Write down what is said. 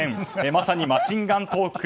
まさにマシンガントーク。